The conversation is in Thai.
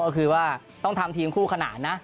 ก็คือว่าต้องทำทีมคู่ขนาดนะ